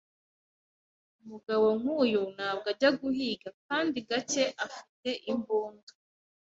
Umugabo nkuyu ntabwo ajya guhiga kandi gake afite imbunda